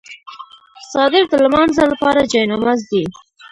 څادر د لمانځه لپاره جای نماز دی.